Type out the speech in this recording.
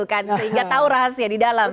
sehingga tahu rahasia di dalam